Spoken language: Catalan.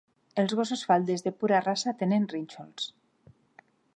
Els gossos falders de pura raça tenen rínxols.